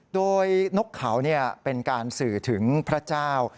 โดยนกเขาเป็นการสื่อถึงพระเจ้า